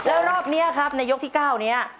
แล้วรอบนี้ครับในยกที่๙นี้